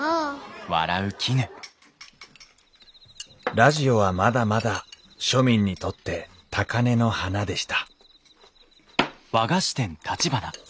ラジオはまだまだ庶民にとって高根の花でした